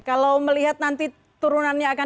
kalau melihat nanti turunannya akan